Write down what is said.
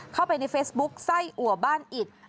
เข้าไปในเฟซบุ๊คไส้อัวบ้านอิด